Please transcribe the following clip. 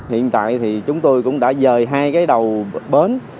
hiện tại thì chúng tôi cũng đã rời hai cái đầu bến